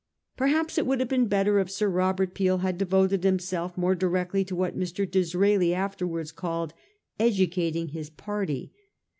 Perhaps it would have been better if Sir Robert Peel had devoted himself more directly to what Mr. Disraeli afterwards called educating his party.